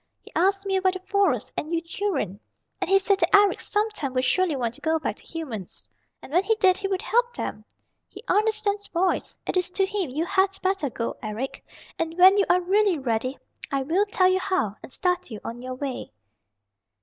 He asked me about the Forest and you children. And he said that Eric sometime would surely want to go back to humans, and when he did he would help him. He understands boys. It is to him you had better go, Eric, and when you are really ready I will tell you how, and start you on your way."